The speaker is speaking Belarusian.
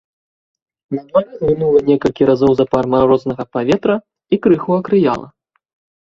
На дварэ глынула некалькі разоў запар марознага паветра і крыху акрыяла.